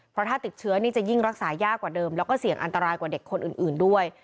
เพราะถ้าติดเชื้อนี่จะยิ่งรักษายากกว่าเดิมแล้วก็เสี่ยงอันตรายกว่าเด็กคนอื่นด้วย